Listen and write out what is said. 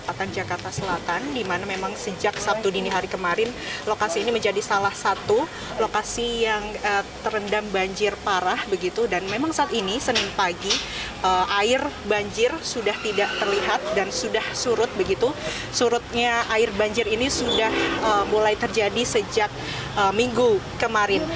pada pagi air banjir sudah tidak terlihat dan sudah surut surutnya air banjir ini sudah mulai terjadi sejak minggu kemarin